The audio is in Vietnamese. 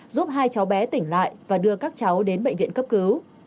giúp hai cháu bé tỉnh lại và đưa các cháu đến bệnh viện cấp cứu